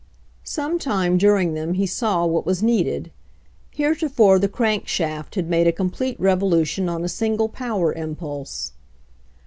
Some time during them he saw what was needed. Heretofore the crank shaft had made a complete revolution on a single power impulse.